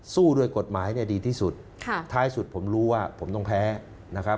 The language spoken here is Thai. สู้ด้วยกฎหมายเนี่ยดีที่สุดท้ายสุดผมรู้ว่าผมต้องแพ้นะครับ